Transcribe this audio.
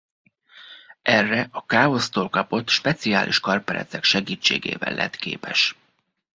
Erre a Káosztól kapott speciális karperecek segítségével lett képes.